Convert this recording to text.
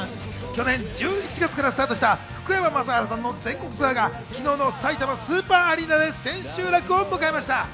去年１１月からスタートした福山雅治さんの全国ツアーが昨日のさいたまスーパーアリーナで千秋楽を迎えました。